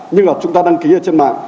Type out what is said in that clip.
nhưng mà chúng ta đăng ký ở trên mạng